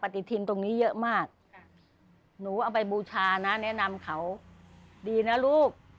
ติทินตรงนี้เยอะมากหนูเอาไปบูชานะแนะนำเขาดีนะลูก